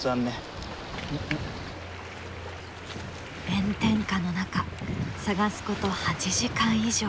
炎天下の中探すこと８時間以上。